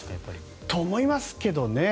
だと思いますけどね。